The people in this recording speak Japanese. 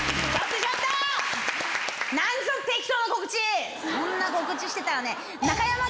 そんな告知してたらね。